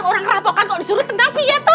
orang rapokan kok disuruh tenang fi ya tuh